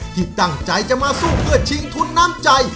ที่ตั้งใจจะมาสู้เพื่อชิงทุนน้ำใจ